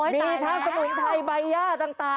มีท่าสมุนไทยใบย่า